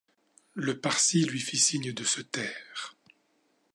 Le Parsi lui fit signe de se taire.